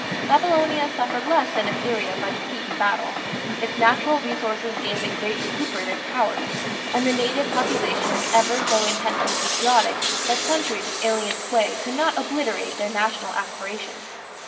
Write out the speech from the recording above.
Babylonia suffered less than Assyria by defeat in battle; its natural resources gave it great recuperative powers, and the native population was ever so intensely patriotic that centuries of alien sway could not obliterate their national aspirations.